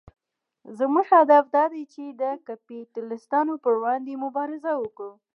زموږ هدف دا دی چې د کپیټلېستانو پر وړاندې مبارزه وکړو.